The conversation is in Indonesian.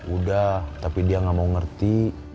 udah tapi dia gak mau ngerti